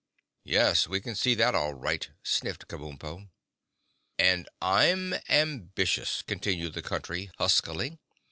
"Yes, we can see that, all right," sniffed Kabumpo. "And I'm ambitious," continued the Country huskily.